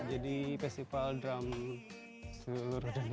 jadi festival drum seluruh dunia